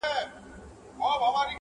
له بهرامه ښادي حرامه -